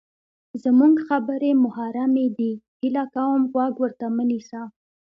زمونږ خبرې محرمې دي، هیله کوم غوږ ورته مه نیسه!